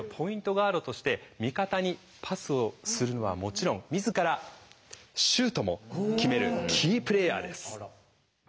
ガードとして味方にパスをするのはもちろん自らシュートも決めるキープレーヤーです。